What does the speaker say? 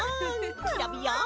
キラビヤン！